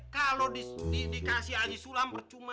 kalau dikasih haji sulam percuma